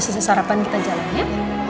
sese sarapan kita jalan ya